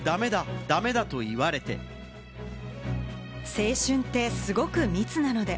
「青春って、すごく密なので」。